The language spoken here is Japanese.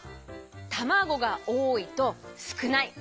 たまごがおおいとすくない。